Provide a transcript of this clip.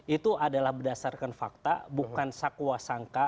itu adalah berdasarkan fakta bukan sakwa sangka